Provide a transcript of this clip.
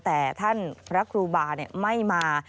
แต่ท่านพระครูบาไม่มา